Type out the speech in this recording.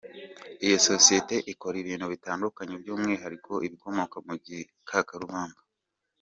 Iyo sosiyete ikora ibintu bitandukanye by’umwihariko ibikomoka mu Gikakarubamba.